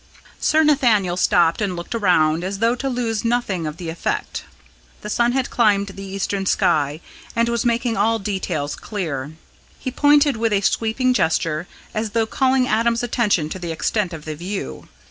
Sir Nathaniel stopped and looked around, as though to lose nothing of the effect. The sun had climbed the eastern sky and was making all details clear. He pointed with a sweeping gesture, as though calling Adam's attention to the extent of the view.